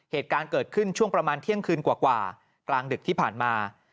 เหตุการณ์เกิดขึ้นช่วงประมาณเที่ยงคืนกว่ากลางดึกที่ผ่านมา